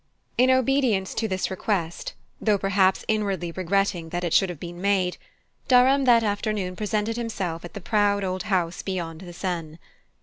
In obedience to this request though perhaps inwardly regretting that it should have been made Durham that afternoon presented himself at the proud old house beyond the Seine.